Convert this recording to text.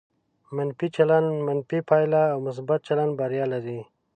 منفي چلند منفي پایله او مثبت چلند بریا لري.